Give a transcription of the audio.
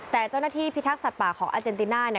แต่เจ้าหน้าที่พิทักษัตว์ป่าของอาเจนติน่าเนี่ย